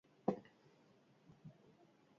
Gorpua trenbidetik hiru metrora aurkitu dute.